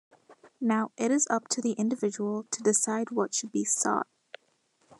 Now, it is up to the individual to decide what should be sought.